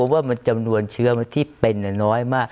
ว่ามันจำนวนเชื้อที่เป็นน้อยมาก